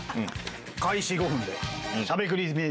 開始５分でしゃべくりずびに。